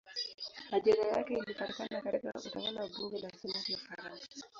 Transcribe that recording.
Ajira yake ilipatikana katika utawala wa bunge la senati ya Ufaransa.